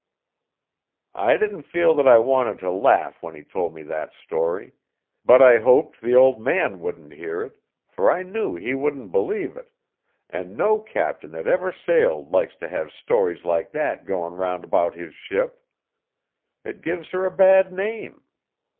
I didn't feel that I wanted to laugh when he told me that story; but I hoped the old man wouldn't hear it, for I knew he wouldn't believe it, and no captain that ever sailed likes to have stories like that going round about his ship. It gives her a bad name.